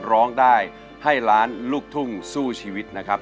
ร้องได้ให้ล้านลูกทุ่งสู้ชีวิตนะครับ